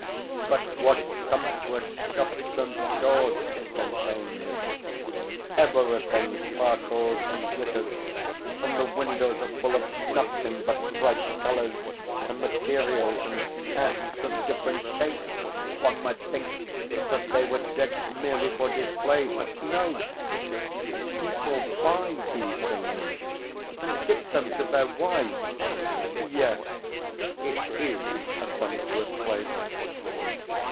But what sumptuous shops and stores it contains! Everything sparkles and glitters, and the windows are full of nothing but bright colours and materials and hats of different shapes. One might think that they were decked merely for display; but no, people buy these things, and give them to their wives! Yes, it IS a sumptuous place.